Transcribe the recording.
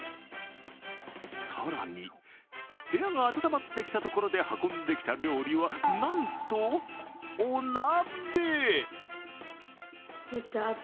更に、部屋が暖まってきたところで運んできた料理は、なんとお鍋。